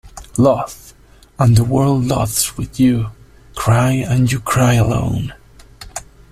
Laugh and the world laughs with you. Cry and you cry alone.